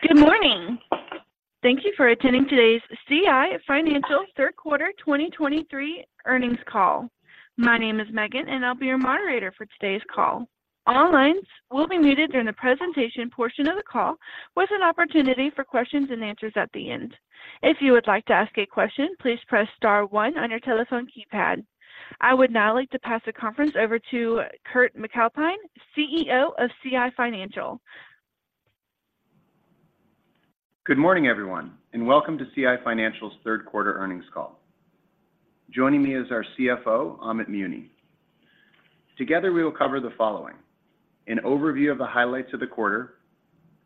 Good morning! Thank you for attending today's CI Financial third quarter 2023 earnings call. My name is Megan, and I'll be your moderator for today's call. All lines will be muted during the presentation portion of the call, with an opportunity for questions and answers at the end. If you would like to ask a question, please press star one on your telephone keypad. I would now like to pass the conference over to Kurt MacAlpine, CEO of CI Financial. Good morning, everyone, and welcome to CI Financial's third quarter earnings call. Joining me is our CFO, Amit Muni. Together, we will cover the following: an overview of the highlights of the quarter,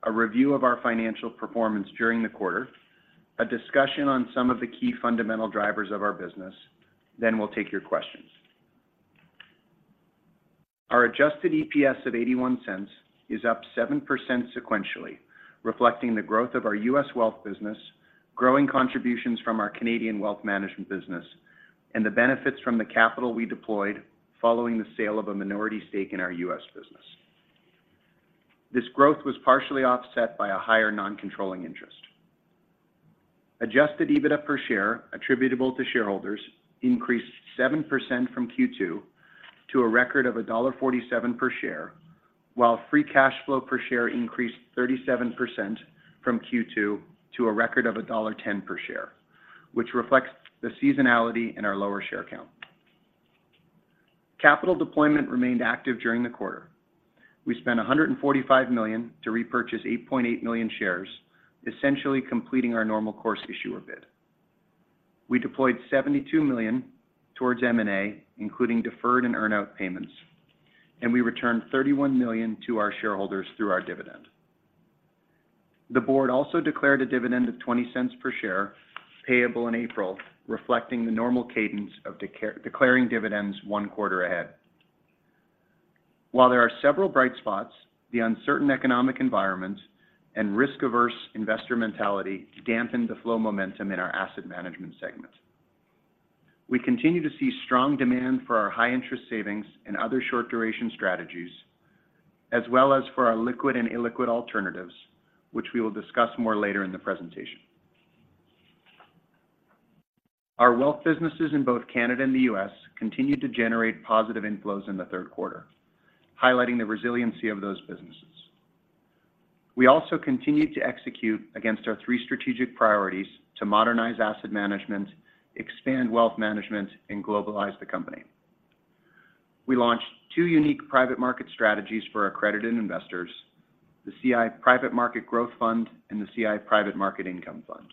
a review of our financial performance during the quarter, a discussion on some of the key fundamental drivers of our business, then we'll take your questions. Our adjusted EPS of 0.81 is up 7% sequentially, reflecting the growth of our U.S. Wealth business, growing contributions from our Canadian Wealth management business, and the benefits from the capital we deployed following the sale of a minority stake in our U.S. business. This growth was partially offset by a higher non-controlling interest. Adjusted EBITDA per share attributable to shareholders increased 7% from Q2 to a record of dollar 1.47 per share, while free cash flow per share increased 37% from Q2 to a record of dollar 1.10 per share, which reflects the seasonality in our lower share count. Capital deployment remained active during the quarter. We spent 145 million to repurchase 8.8 million shares, essentially completing our normal course issuer bid. We deployed 72 million towards M&A, including deferred and earn-out payments, and we returned 31 million to our shareholders through our dividend. The board also declared a dividend of 0.20 per share, payable in April, reflecting the normal cadence of declaring dividends one quarter ahead. While there are several bright spots, the uncertain economic environment and risk-averse investor mentality dampened the flow momentum in our Asset Management segment. We continue to see strong demand for our high interest savings and other short-duration strategies, as well as for our liquid and illiquid alternatives, which we will discuss more later in the presentation. Our wealth businesses in both Canada and the U.S. continued to generate positive inflows in the third quarter, highlighting the resiliency of those businesses. We also continued to execute against our three strategic priorities to modernize asset management, expand wealth management, and globalize the company. We launched two unique private market strategies for our accredited investors, the CI Private Market Growth Fund and the CI Private Market Income Fund.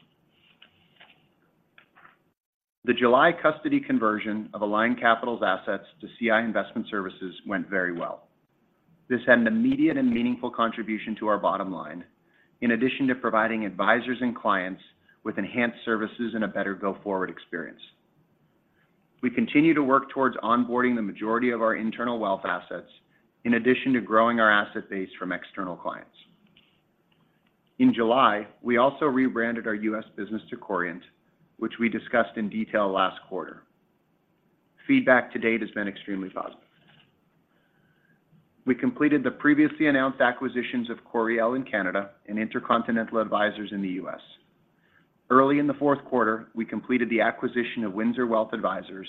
The July custody conversion of Aligned Capital's assets to CI Investment Services went very well. This had an immediate and meaningful contribution to our bottom line, in addition to providing advisors and clients with enhanced services and a better go-forward experience. We continue to work towards onboarding the majority of our internal wealth assets, in addition to growing our asset base from external clients. In July, we also rebranded our U.S. business to Corient, which we discussed in detail last quarter. Feedback to date has been extremely positive. We completed the previously announced acquisitions of Coriel in Canada and Intercontinental Advisors in the U.S. Early in the fourth quarter, we completed the acquisition of Windsor Wealth Advisors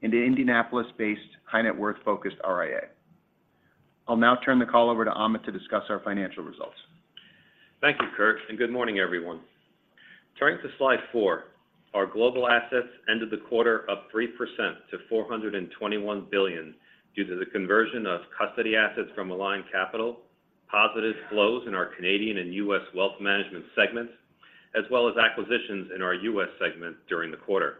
and the Indianapolis-based high-net worth-focused RIA. I'll now turn the call over to Amit to discuss our financial results. Thank you, Kurt, and good morning, everyone. Turning to slide four, our global assets ended the quarter up 3% to 421 billion, due to the conversion of custody assets from Aligned Capital, positive flows in our Canadian and U.S. Wealth management segments, as well as acquisitions in our U.S. segment during the quarter.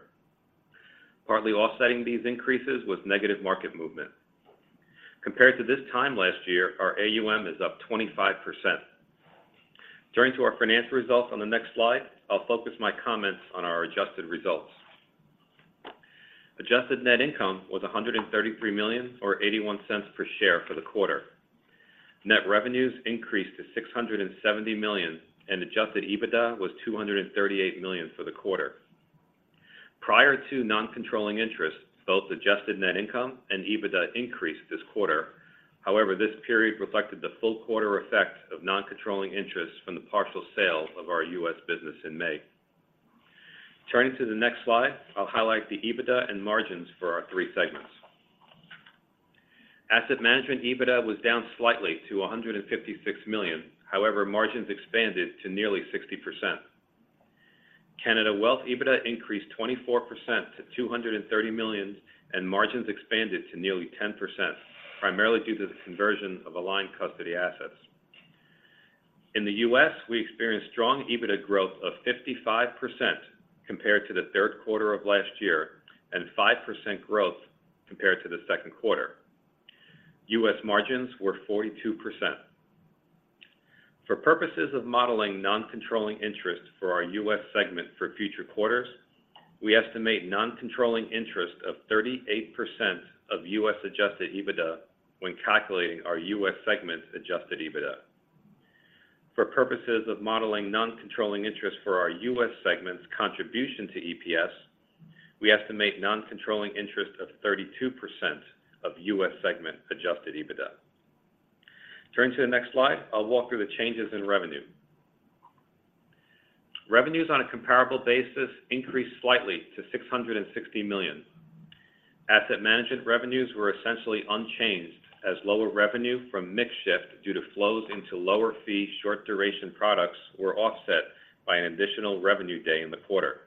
Partly offsetting these increases was negative market movement. Compared to this time last year, our AUM is up 25%. Turning to our financial results on the next slide, I'll focus my comments on our adjusted results. Adjusted net income was 133 million, or 0.81 per share for the quarter. Net revenues increased to 670 million, and adjusted EBITDA was 238 million for the quarter. Prior to non-controlling interests, both adjusted net income and EBITDA increased this quarter. However, this period reflected the full quarter effect of non-controlling interests from the partial sale of our U.S. business in May. Turning to the next slide, I'll highlight the EBITDA and margins for our three segments. Asset Management EBITDA was down slightly to 156 million. However, margins expanded to nearly 60%. Canada Wealth EBITDA increased 24% to 230 million, and margins expanded to nearly 10%, primarily due to the conversion of Aligned custody assets. In the U.S., we experienced strong EBITDA growth of 55% compared to the third quarter of last year and 5% growth compared to the second quarter. U.S. margins were 42%. For purposes of modeling non-controlling interest for our U.S. segment for future quarters, we estimate non-controlling interest of 38% of U.S. adjusted EBITDA when calculating our U.S. segment's adjusted EBITDA. For purposes of modeling non-controlling interest for our U.S. segment's contribution to EPS. We estimate non-controlling interest of 32% of U.S. segment adjusted EBITDA. Turning to the next slide, I'll walk through the changes in revenue. Revenues on a comparable basis increased slightly to 660 million. Asset Management revenues were essentially unchanged, as lower revenue from mix shift due to flows into lower fee, short-duration products were offset by an additional revenue day in the quarter.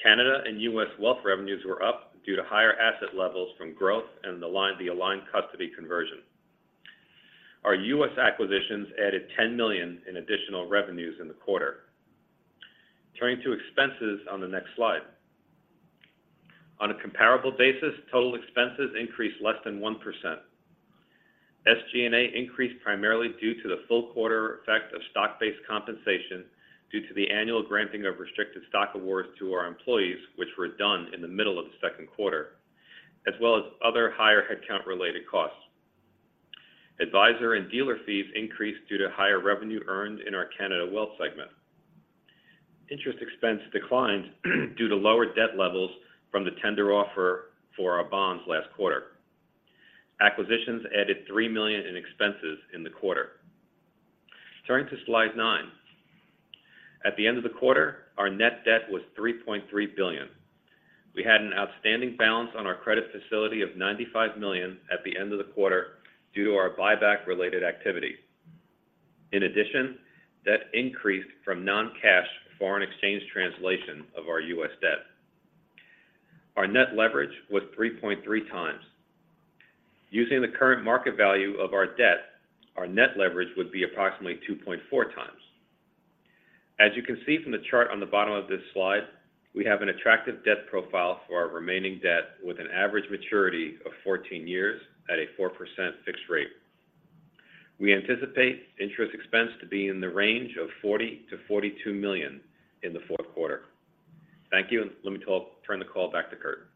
Canada and U.S. Wealth revenues were up due to higher asset levels from growth and the line, the Aligned custody conversion. Our U.S. acquisitions added 10 million in additional revenues in the quarter. Turning to expenses on the next slide. On a comparable basis, total expenses increased less than 1%. SG&A increased primarily due to the full quarter effect of stock-based compensation, due to the annual granting of restricted stock awards to our employees, which were done in the middle of the second quarter, as well as other higher headcount-related costs. Advisor and dealer fees increased due to higher revenue earned in our Canada Wealth segment. Interest expense declined due to lower debt levels from the tender offer for our bonds last quarter. Acquisitions added 3 million in expenses in the quarter. Turning to slide nine. At the end of the quarter, our net debt was 3.3 billion. We had an outstanding balance on our credit facility of 95 million at the end of the quarter due to our buyback related activity. In addition, debt increased from non-cash foreign exchange translation of our U.S. debt. Our net leverage was 3.3x. Using the current market value of our debt, our net leverage would be approximately 2.4x. As you can see from the chart on the bottom of this slide, we have an attractive debt profile for our remaining debt, with an average maturity of 14 years at a 4% fixed rate. We anticipate interest expense to be in the range of 40 million-42 million in the fourth quarter. Thank you, and let me turn the call back to Kurt.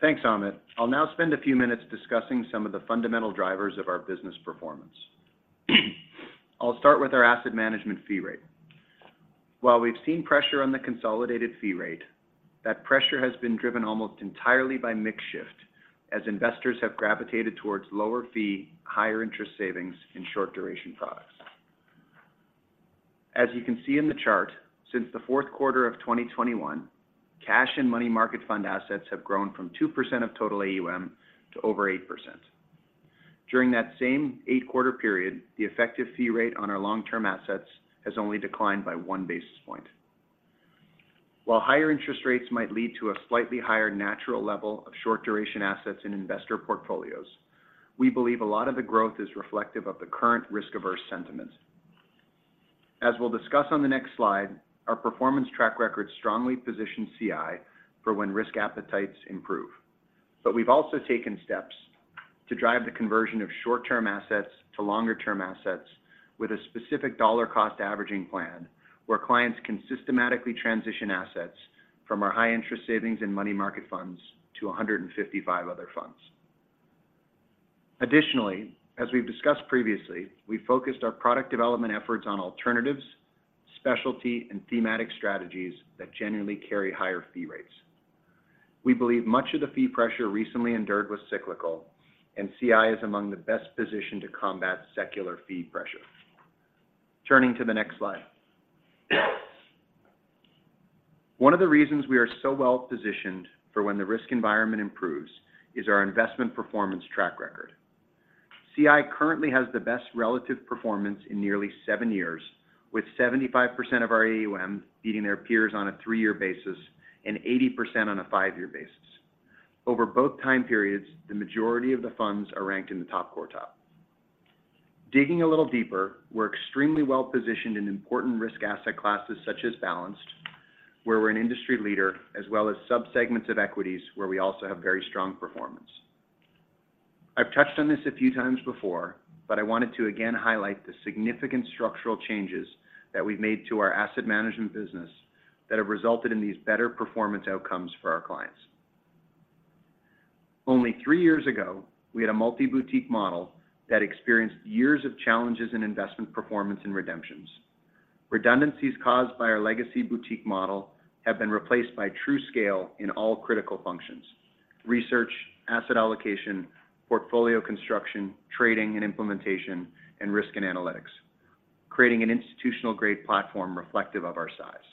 Thanks, Amit. I'll now spend a few minutes discussing some of the fundamental drivers of our business performance. I'll start with our asset management fee rate. While we've seen pressure on the consolidated fee rate, that pressure has been driven almost entirely by mix shift, as investors have gravitated towards lower fee, higher interest savings and short duration products. As you can see in the chart, since the fourth quarter of 2021, cash and money market fund assets have grown from 2% of total AUM to over 8%. During that same eight-quarter period, the effective fee rate on our long-term assets has only declined by 1 basis point. While higher interest rates might lead to a slightly higher natural level of short-duration assets in investor portfolios, we believe a lot of the growth is reflective of the current risk-averse sentiment. As we'll discuss on the next slide, our performance track record strongly positions CI for when risk appetites improve. But we've also taken steps to drive the conversion of short-term assets to longer-term assets with a specific dollar cost averaging plan, where clients can systematically transition assets from our high interest savings and money market funds to 155 other funds. Additionally, as we've discussed previously, we focused our product development efforts on alternatives, specialty, and thematic strategies that generally carry higher fee rates. We believe much of the fee pressure recently endured was cyclical, and CI is among the best positioned to combat secular fee pressure. Turning to the next slide. One of the reasons we are so well positioned for when the risk environment improves is our investment performance track record. CI currently has the best relative performance in nearly seven years, with 75% of our AUM beating their peers on a three-year basis and 80% on a five-year basis. Over both time periods, the majority of the funds are ranked in the top quartile. Digging a little deeper, we're extremely well positioned in important risk asset classes, such as balanced, where we're an industry leader, as well as subsegments of equities, where we also have very strong performance. I've touched on this a few times before, but I wanted to again highlight the significant structural changes that we've made to our Asset Management business that have resulted in these better performance outcomes for our clients. Only three years ago, we had a multi-boutique model that experienced years of challenges in investment performance and redemptions. Redundancies caused by our legacy boutique model have been replaced by true scale in all critical functions: research, asset allocation, portfolio construction, trading and implementation, and risk and analytics, creating an institutional-grade platform reflective of our size.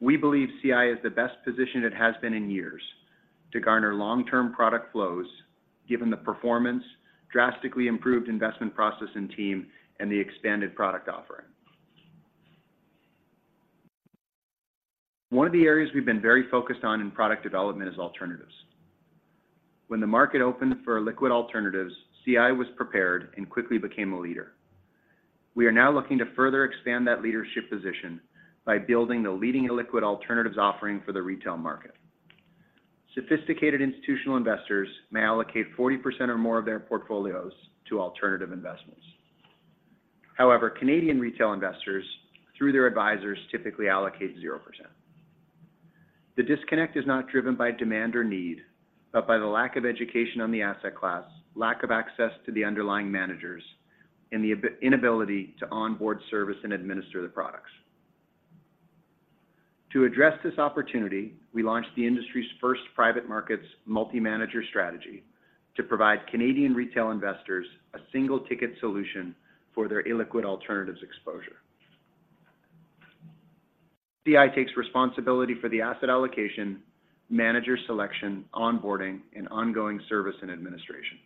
We believe CI is the best position it has been in years to garner long-term product flows, given the performance, drastically improved investment process and team, and the expanded product offering. One of the areas we've been very focused on in product development is alternatives. When the market opened for liquid alternatives, CI was prepared and quickly became a leader. We are now looking to further expand that leadership position by building the leading illiquid alternatives offering for the retail market. Sophisticated institutional investors may allocate 40% or more of their portfolios to alternative investments. However, Canadian retail investors, through their advisors, typically allocate 0%. The disconnect is not driven by demand or need, but by the lack of education on the asset class, lack of access to the underlying managers, and the inability to onboard service and administer the products. To address this opportunity, we launched the industry's first private markets multi-manager strategy to provide Canadian retail investors a single-ticket solution for their illiquid alternatives exposure. CI takes responsibility for the asset allocation, manager selection, onboarding, and ongoing service and administration.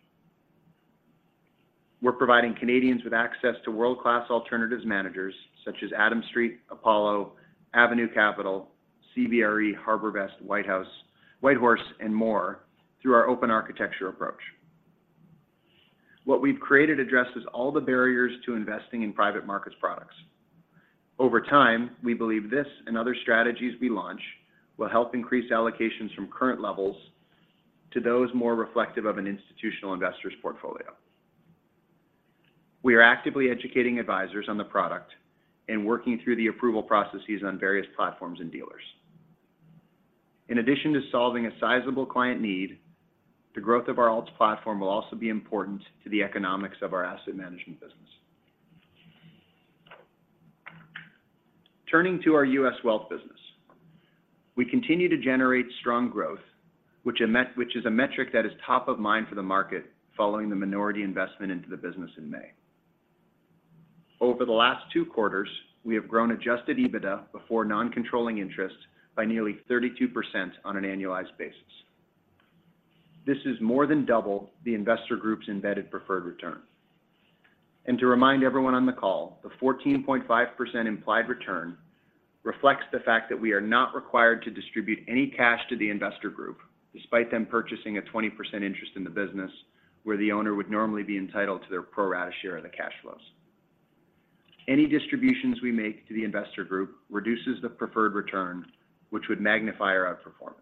We're providing Canadians with access to world-class alternatives managers such as Adams Street, Apollo, Avenue Capital, CBRE, HarbourVest, Whitehorse, and more through our open architecture approach. What we've created addresses all the barriers to investing in private markets products. Over time, we believe this and other strategies we launch will help increase allocations from current levels to those more reflective of an institutional investor's portfolio. We are actively educating advisors on the product and working through the approval processes on various platforms and dealers. In addition to solving a sizable client need, the growth of our alts platform will also be important to the economics of our Asset Management business. Turning to our U.S. Wealth business. We continue to generate strong growth, which is a metric that is top of mind for the market following the minority investment into the business in May. Over the last two quarters, we have grown adjusted EBITDA before non-controlling interests by nearly 32% on an annualized basis. This is more than double the investor group's embedded preferred return. To remind everyone on the call, the 14.5% implied return reflects the fact that we are not required to distribute any cash to the investor group, despite them purchasing a 20% interest in the business, where the owner would normally be entitled to their pro rata share of the cash flows. Any distributions we make to the investor group reduces the preferred return, which would magnify our outperformance.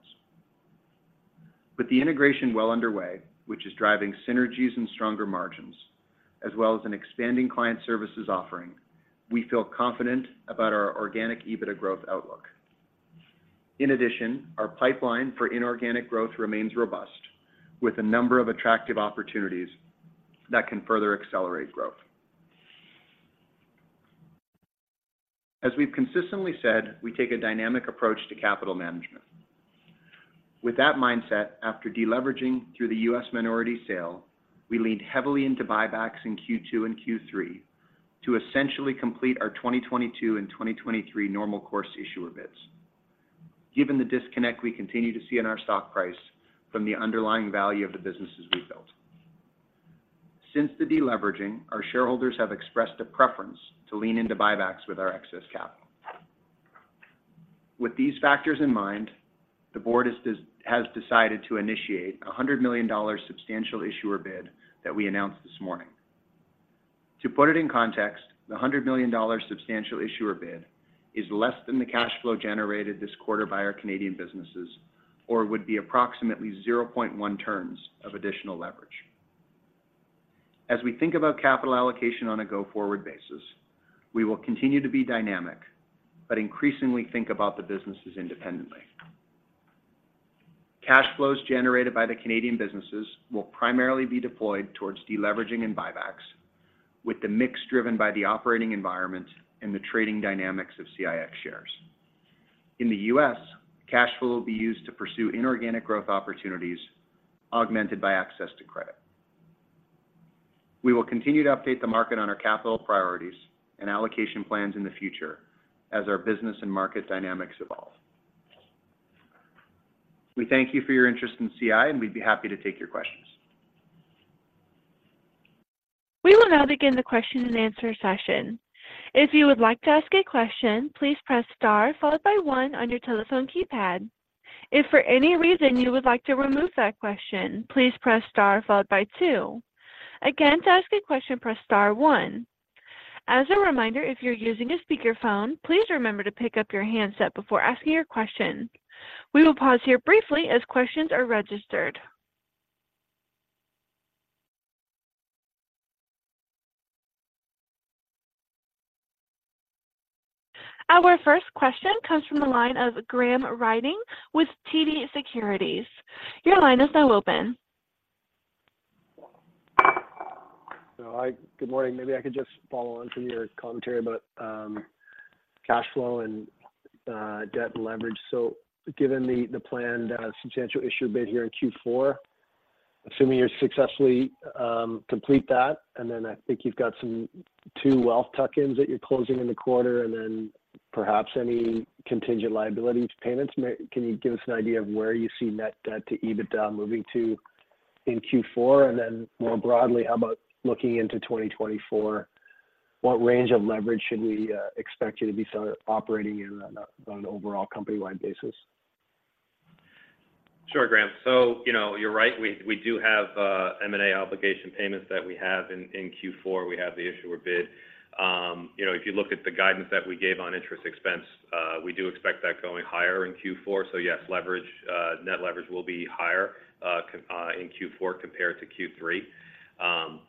With the integration well underway, which is driving synergies and stronger margins, as well as an expanding client services offering, we feel confident about our organic EBITDA growth outlook. In addition, our pipeline for inorganic growth remains robust, with a number of attractive opportunities that can further accelerate growth. As we've consistently said, we take a dynamic approach to capital management. With that mindset, after deleveraging through the U.S. minority sale, we leaned heavily into buybacks in Q2 and Q3 to essentially complete our 2022 and 2023 normal course issuer bids. Given the disconnect we continue to see in our stock price from the underlying value of the businesses we built. Since the deleveraging, our shareholders have expressed a preference to lean into buybacks with our excess capital. With these factors in mind, the board has decided to initiate a 100 million dollar substantial issuer bid that we announced this morning. To put it in context, the 100 million dollar substantial issuer bid is less than the cash flow generated this quarter by our Canadian businesses, or would be approximately 0.1 turns of additional leverage. As we think about capital allocation on a go-forward basis, we will continue to be dynamic, but increasingly think about the businesses independently. Cash flows generated by the Canadian businesses will primarily be deployed towards deleveraging and buybacks, with the mix driven by the operating environment and the trading dynamics of CIX shares. In the U.S., cash flow will be used to pursue inorganic growth opportunities, augmented by access to credit. We will continue to update the market on our capital priorities and allocation plans in the future as our business and market dynamics evolve. We thank you for your interest in CI, and we'd be happy to take your questions. We will now begin the question-and-answer session. If you would like to ask a question, please press star followed by one on your telephone keypad. If for any reason you would like to remove that question, please press star followed by two. Again, to ask a question, press star one. As a reminder, if you're using a speakerphone, please remember to pick up your handset before asking your question. We will pause here briefly as questions are registered. Our first question comes from the line of Graham Ryding with TD Securities. Your line is now open. Hi, good morning. Maybe I could just follow on from your commentary about cash flow and debt leverage. So given the planned substantial issuer bid here in Q4, assuming you successfully complete that, and then I think you've got some two wealth tuck-ins that you're closing in the quarter, and then perhaps any contingent liabilities payments, can you give us an idea of where you see net debt-to-EBITDA moving to in Q4? And then more broadly, how about looking into 2024, what range of leverage should we expect you to be sort of operating in on an overall company-wide basis? Sure, Graham. So, you know, you're right. We do have M&A obligation payments that we have in Q4. We have the issuer bid. You know, if you look at the guidance that we gave on interest expense, we do expect that going higher in Q4. So yes, leverage, net leverage will be higher in Q4 compared to Q3.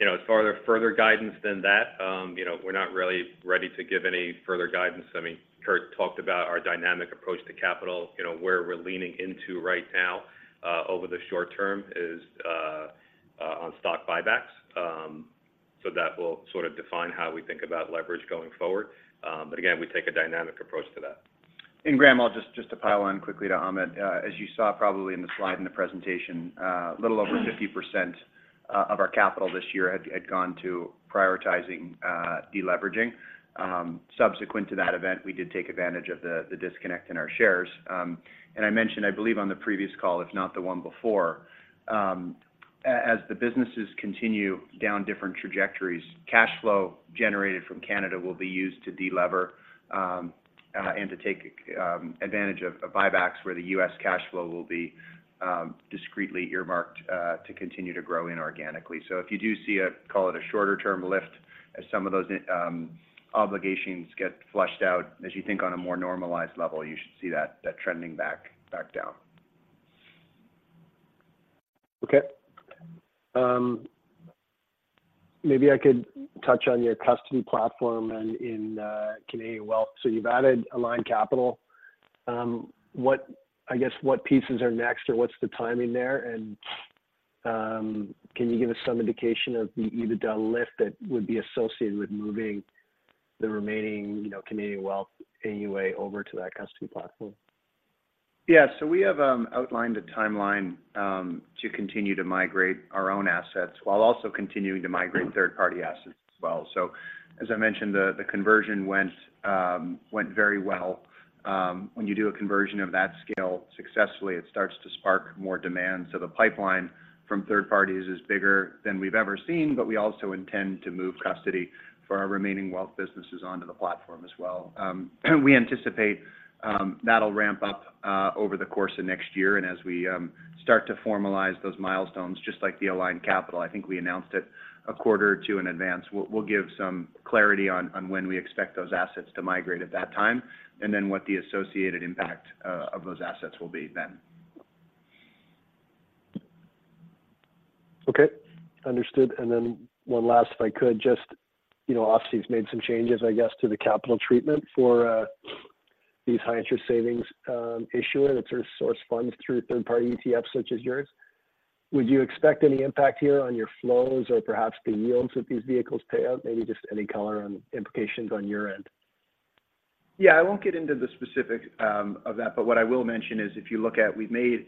You know, as further guidance than that, you know, we're not really ready to give any further guidance. I mean, Kurt talked about our dynamic approach to capital. You know, where we're leaning into right now, on stock buybacks. So that will sort of define how we think about leverage going forward. But again, we take a dynamic approach to that. Graham, I'll just to pile on quickly to Amit. As you saw probably in the slide in the presentation, a little over 50% of our capital this year had gone to prioritizing deleveraging. Subsequent to that event, we did take advantage of the disconnect in our shares. And I mentioned, I believe on the previous call, if not the one before, as the businesses continue down different trajectories, cash flow generated from Canada will be used to delever and to take advantage of buybacks, where the U.S. cash flow will be discreetly earmarked to continue to grow inorganically. So if you do see a, call it a shorter term lift, as some of those obligations get flushed out, as you think on a more normalized level, you should see that, that trending back, back down. Okay. Maybe I could touch on your custody platform and in Canadian Wealth. So you've added Aligned Capital. What—I guess, what pieces are next, or what's the timing there? And, can you give us some indication of the EBITDA lift that would be associated with moving the remaining, you know, Canadian Wealth AUA over to that custody platform? Yeah. So we have outlined a timeline to continue to migrate our own assets, while also continuing to migrate third-party assets as well. So as I mentioned, the conversion went very well. When you do a conversion of that scale successfully, it starts to spark more demand. So the pipeline from third parties is bigger than we've ever seen, but we also intend to move custody for our remaining wealth businesses onto the platform as well. We anticipate that'll ramp up over the course of next year. And as we start to formalize those milestones, just like the Aligned Capital, I think we announced it a quarter or two in advance. We'll give some clarity on when we expect those assets to migrate at that time, and then what the associated impact of those assets will be then. Okay, understood. And then one last, if I could just... You know, OSFI's made some changes, I guess, to the capital treatment for, these high-interest savings, issuers that source funds through third-party ETFs, such as yours. Would you expect any impact here on your flows or perhaps the yields that these vehicles pay out? Maybe just any color on implications on your end. Yeah. I won't get into the specifics of that, but what I will mention is, if you look at we've made,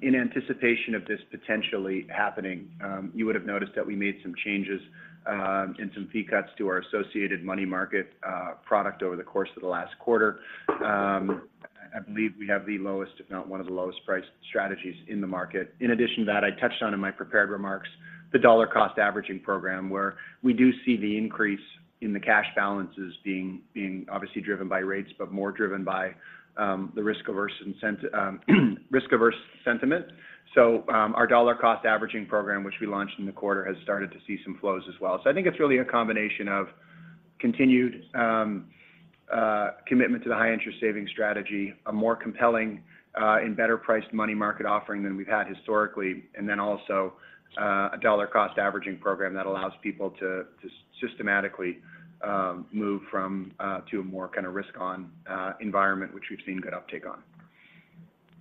in anticipation of this potentially happening, you would have noticed that we made some changes and some fee cuts to our associated money market product over the course of the last quarter. I believe we have the lowest, if not one of the lowest priced strategies in the market. In addition to that, I touched on in my prepared remarks the dollar cost averaging program, where we do see the increase in the cash balances being obviously driven by rates, but more driven by the risk-averse sentiment. So, our dollar cost averaging program, which we launched in the quarter, has started to see some flows as well. So I think it's really a combination of continued commitment to the high-interest savings strategy, a more compelling and better-priced money market offering than we've had historically, and then also a dollar cost averaging program that allows people to systematically move from to a more kind of risk on environment, which we've seen good uptake on.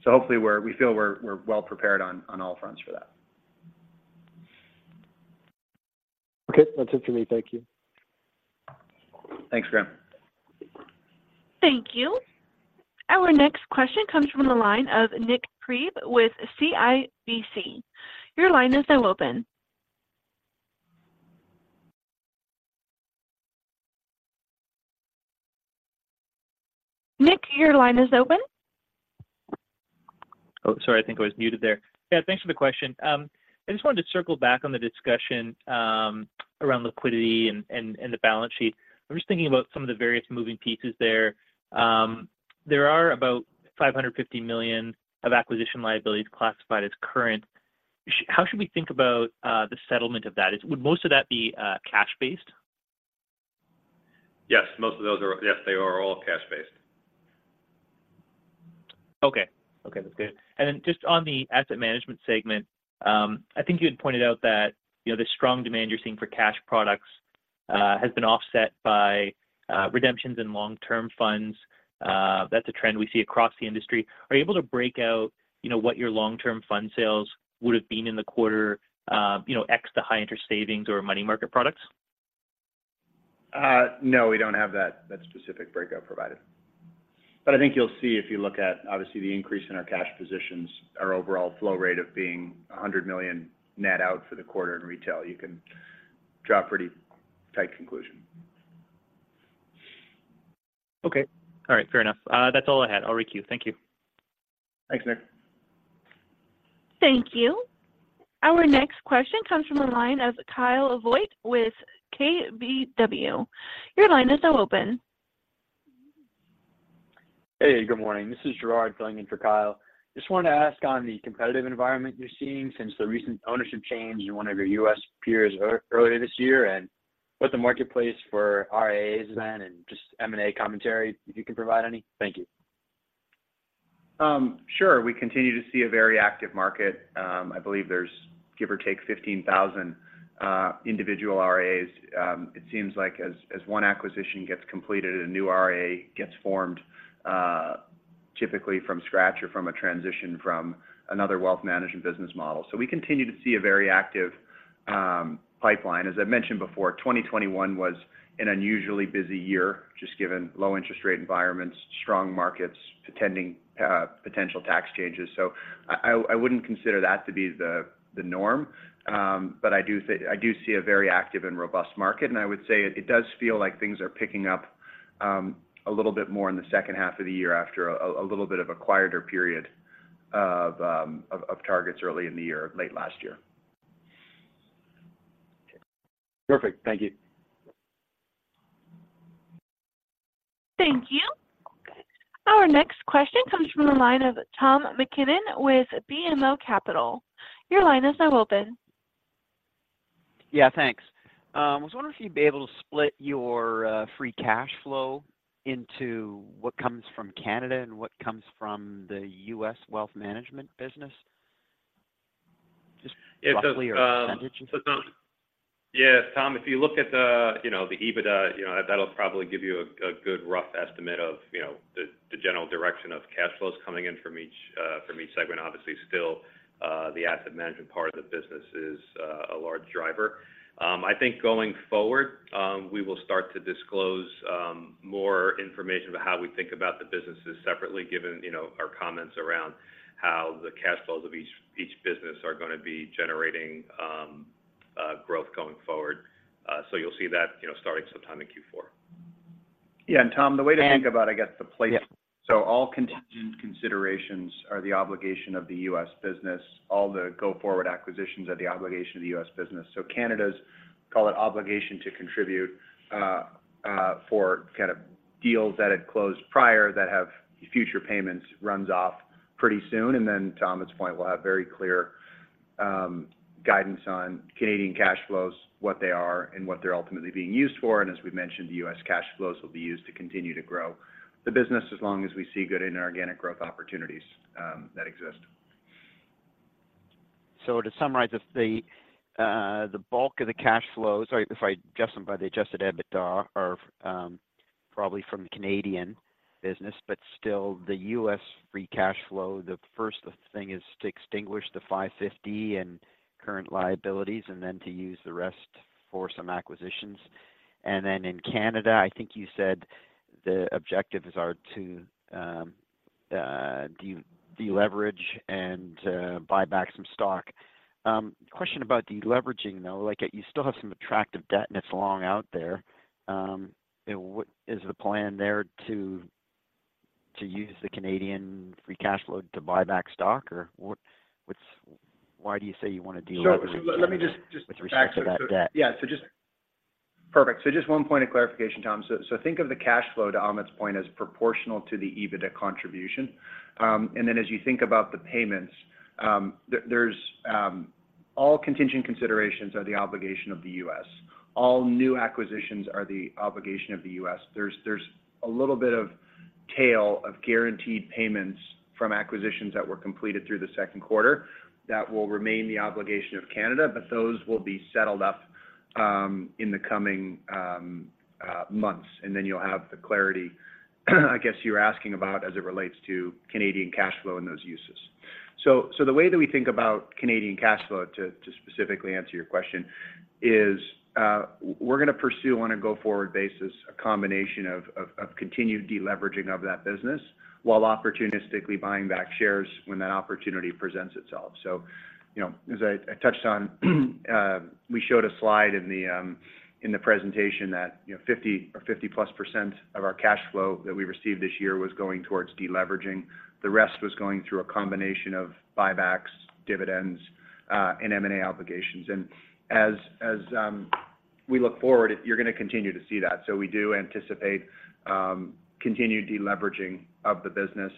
So hopefully, we feel we're well prepared on all fronts for that. Okay. That's it for me. Thank you. Thanks, Graham. Thank you. Our next question comes from the line of Nik Priebe with CIBC. Your line is now open. Nik, your line is open. Oh, sorry, I think I was muted there. Yeah, thanks for the question. I just wanted to circle back on the discussion around liquidity and the balance sheet. I'm just thinking about some of the various moving pieces there. There are about 550 million of acquisition liabilities classified as current. How should we think about the settlement of that? Would most of that be cash-based? Yes, they are all cash-based. Okay. Okay, that's good. And then just on the Asset Management segment, I think you had pointed out that, you know, the strong demand you're seeing for cash products, has been offset by, redemptions in long-term funds. That's a trend we see across the industry. Are you able to break out, you know, what your long-term fund sales would have been in the quarter, you know, ex the high-interest savings or money market products? No, we don't have that, that specific breakout provided. But I think you'll see if you look at, obviously, the increase in our cash positions, our overall flow rate of being 100 million net out for the quarter in retail, you can draw a pretty tight conclusion. Okay. All right. Fair enough. That's all I had. I'll requeue. Thank you. Thanks, Nik. Thank you. Our next question comes from the line of Kyle Voigt with KBW. Your line is now open. Hey, good morning. This is Girard filling in for Kyle. Just wanted to ask on the competitive environment you're seeing since the recent ownership change in one of your U.S. peers earlier this year, and what the marketplace for RIAs then, and just M&A commentary, if you can provide any? Thank you. Sure, we continue to see a very active market. I believe there's give or take 15,000 individual RIAs. It seems like as one acquisition gets completed, a new RIA gets formed, typically from scratch or from a transition from another wealth management business model. So we continue to see a very active pipeline. As I mentioned before, 2021 was an unusually busy year, just given low interest rate environments, strong markets, pending potential tax changes. So I wouldn't consider that to be the norm. But I do think, I do see a very active and robust market, and I would say it does feel like things are picking up a little bit more in the second half of the year after a little bit of a quieter period of targets early in the year, late last year. Perfect. Thank you. Thank you. Our next question comes from the line of Tom MacKinnon with BMO Capital. Your line is now open. Yeah, thanks. I was wondering if you'd be able to split your free cash flow into what comes from Canada and what comes from the U.S. Wealth management business? Just- It does- Roughly, or a percentage. So, yeah, Tom, if you look at the, you know, the EBITDA, you know, that'll probably give you a good rough estimate of, you know, the general direction of cash flows coming in from each segment. Obviously, still, the Asset management part of the business is a large driver. I think going forward, we will start to disclose more information about how we think about the businesses separately, given, you know, our comments around how the cash flows of each business are going to be generating growth going forward. So you'll see that, you know, starting sometime in Q4. Yeah, and Tom, the way to think about, I guess, the place. Yeah. So all contingent considerations are the obligation of the U.S. business. All the go-forward acquisitions are the obligation of the U.S. business. So Canada's, call it obligation to contribute, for kind of deals that had closed prior that have future payments, runs off pretty soon. And then to Amit's point, we'll have very clear, guidance on Canadian cash flows, what they are, and what they're ultimately being used for. And as we've mentioned, the U.S. cash flows will be used to continue to grow the business as long as we see good inorganic growth opportunities, that exist. So to summarize, if the bulk of the cash flows, or if I adjust them by the adjusted EBITDA, are probably from the Canadian business, but still the U.S. free cash flow, the first thing is to extinguish the 550 million and current liabilities, and then to use the rest for some acquisitions. And then in Canada, I think you said the objectives are to deleverage and buy back some stock. Question about deleveraging, though. Like, you still have some attractive debt, and it's long out there. What is the plan there to use the Canadian free cash flow to buy back stock? Or what, what's why do you say you want to deleverage- Let me just- With respect to that debt. Yeah. So just... Perfect. So just one point of clarification, Tom. So think of the cash flow, to Amit's point, as proportional to the EBITDA contribution. And then as you think about the payments, there, there's all contingent considerations are the obligation of the U.S. All new acquisitions are the obligation of the U.S. There's a little bit of tail of guaranteed payments from acquisitions that were completed through the second quarter. That will remain the obligation of Canada, but those will be settled up in the coming months. And then you'll have the clarity, I guess, you're asking about as it relates to Canadian cash flow and those uses. So, the way that we think about Canadian cash flow, to specifically answer your question, is, we're going to pursue on a go-forward basis, a combination of continued deleveraging of that business, while opportunistically buying back shares when that opportunity presents itself. So, you know, as I touched on, we showed a slide in the presentation that, you know, 50 or 50%+ of our cash flow that we received this year was going towards deleveraging. The rest was going through a combination of buybacks, dividends, and M&A obligations. As we look forward, you're going to continue to see that. So we do anticipate continued deleveraging of the business,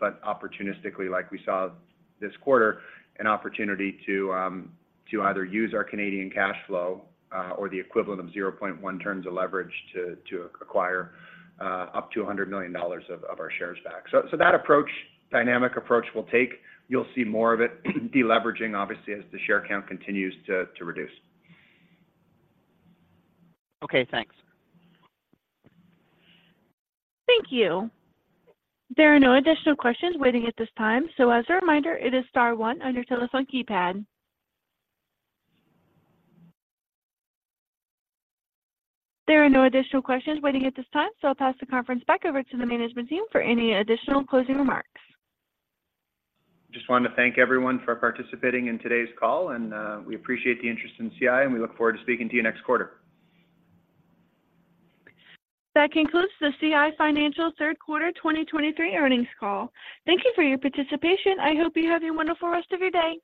but opportunistically, like we saw this quarter, an opportunity to either use our Canadian cash flow, or the equivalent of 0.1 turns of leverage to acquire up to 100 million dollars of our shares back. So that approach, dynamic approach we'll take. You'll see more of it, deleveraging, obviously, as the share count continues to reduce. Okay, thanks. Thank you. There are no additional questions waiting at this time, so as a reminder, it is star one on your telephone keypad. There are no additional questions waiting at this time, so I'll pass the conference back over to the management team for any additional closing remarks. Just wanted to thank everyone for participating in today's call, and we appreciate the interest in CI, and we look forward to speaking to you next quarter. That concludes the CI Financial third quarter 2023 earnings call. Thank you for your participation. I hope you have a wonderful rest of your day.